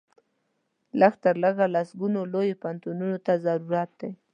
لږ تر لږه سلګونو لویو پوهنتونونو ته ضرورت دی.